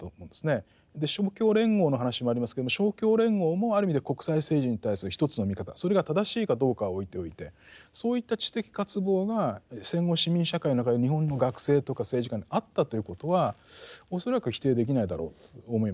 勝共連合の話もありますけども勝共連合もある意味では国際政治に対する一つの見方それが正しいかどうかは置いておいてそういった知的渇望が戦後市民社会の中で日本の学生とか政治家にあったということは恐らく否定できないだろうと思います。